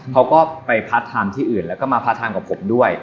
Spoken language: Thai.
เขาก็ไปพาร์ทไทม์ที่อื่นแล้วก็มาพาร์ทไทม์กับผมด้วย